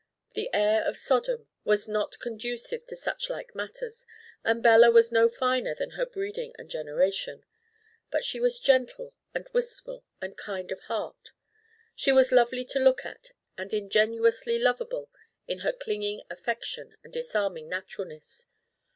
The air of Sodom was not conducive to suchlike matters and Bella was no finer than her breeding and generation. But she was gentle and wistful and kind of heart. She was lovely to look at and ingenuously lovable in her clinging affection and disarming naturalness.